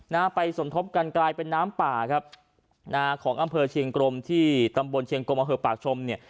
นะฮะไปสมทบกันกลายเป็นน้ำป่าครับนะฮะของอำเภอเชียงกรมที่ตำบลเชียงกรมอำเภอปากชมเนี่ย